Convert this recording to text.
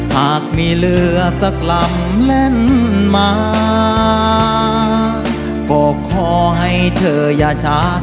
หากมีเรือสักลำแล่นมาก็ขอให้เธออย่าช้า